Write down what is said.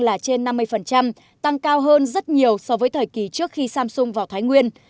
là trên năm mươi tăng cao hơn rất nhiều so với thời kỳ trước khi samsung vào thái nguyên